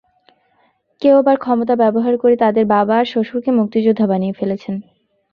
কেউ আবার ক্ষমতা ব্যবহার করে তাঁদের বাবা আর শ্বশুরকে মুক্তিযোদ্ধা বানিয়ে ফেলেছেন।